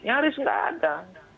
nyaris gak ada